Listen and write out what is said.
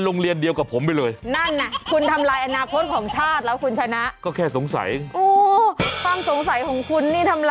หรอแล้วเกิดอะไรขึ้นจากนั้น